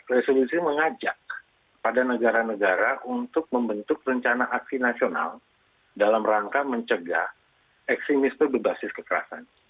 resolusi mengajak pada negara negara untuk membentuk rencana aksi nasional dalam rangka mencegah ekstremisme berbasis kekerasan